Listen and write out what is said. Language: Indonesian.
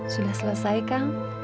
sudah selesai kang